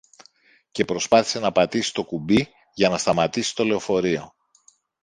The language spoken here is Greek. και προσπάθησε να πατήσει το κουμπί για να σταματήσει το λεωφορείο